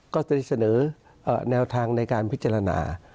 ก็จะได้เสนอแนวทางในการพิจารณา